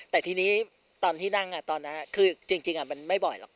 แต่ทีนี้ตอนที่นั่งตอนนั้นคือจริงมันไม่บ่อยหรอก